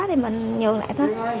thì mình nhường lại thôi